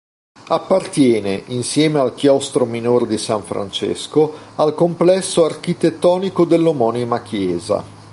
Appartiene, insieme al Chiostro Minore di San Francesco, al complesso architettonico dell'omonima chiesa.